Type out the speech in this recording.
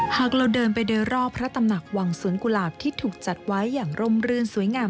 หากเราเดินไปโดยรอบพระตำหนักวังสวนกุหลาบที่ถูกจัดไว้อย่างร่มรื่นสวยงาม